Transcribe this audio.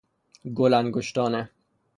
گل انگشتانه